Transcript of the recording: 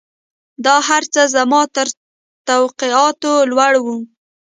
دا هرڅه زما تر توقعاتو لوړ وو.